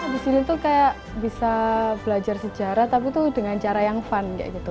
di sini tuh kayak bisa belajar sejarah tapi tuh dengan cara yang fun kayak gitu